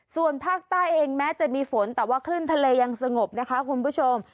ส่วนภาคใต้เองแม้จะมีฝนแต่ว่าคลื่นทะเลยังสงบนะคะคุณผู้ชม